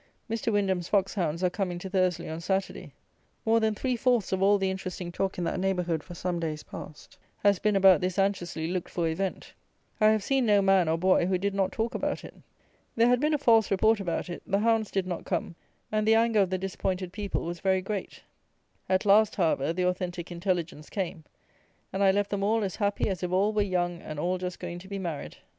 Mr. Wyndham's fox hounds are coming to Thursley on Saturday. More than three fourths of all the interesting talk in that neighbourhood, for some days past, has been about this anxiously looked for event. I have seen no man, or boy, who did not talk about it. There had been a false report about it; the hounds did not come; and the anger of the disappointed people was very great. At last, however, the authentic intelligence came, and I left them all as happy as if all were young and all just going to be married.